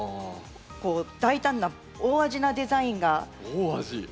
こう大胆な大味なデザインがいいですし